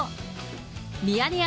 ミヤネ屋